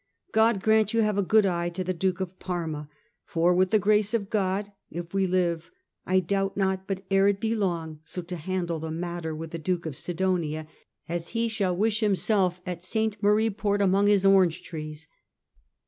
God grant you have a good eye to the Duke of Parma, for, with the grace of God, if we live I doubt not but ere it be long so to handle the matter with the Duke of Sidonia, as he shall wish himself at Saint Marie Port among his orange trees.